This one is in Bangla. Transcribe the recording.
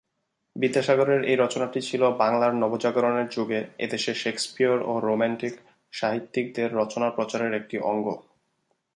বিদ্যাসাগরের এই রচনাটি ছিল বাংলার নবজাগরণের যুগে এদেশে শেকসপিয়র ও রোম্যান্টিক সাহিত্যিকদের রচনা প্রচারের একটি অঙ্গ।